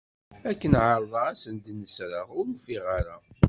Akken i ɛerḍeɣ ad asen-d-nesreɣ ur ufiɣ ara.